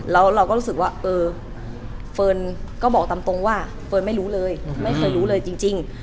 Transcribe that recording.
แล้วเราก็รู้สึกว่าเออเฟิร์นก็บอกตามตรงว่าเฟิร์นไม่รู้เลยไม่เคยรู้เลยจริง